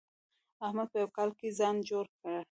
احمد په يوه کال کې ځان جوړ کړ.